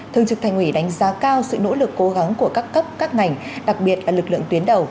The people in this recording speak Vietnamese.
thương trực thành ủy đánh giá cao sự nỗ lực cố gắng của các cấp các ngành đặc biệt là lực lượng tuyến đầu